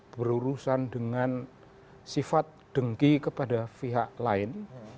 berurusan dengan sifat dengki kepada pihak lain